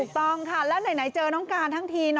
ต้องค่ะแล้วไหนเจอน้องการทั้งที